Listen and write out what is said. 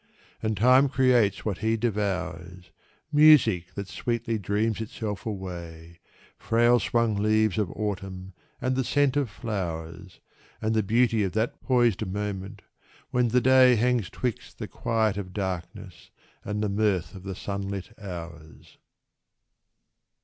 And Time creates what he devours, Music that sweetly dreams itself away, Frail swung leaves of autumn and the scent of flowers, And the beauty of that poised moment, when the day Hangs 'twixt the quiet of darkness and the mirth of the sunlit hours."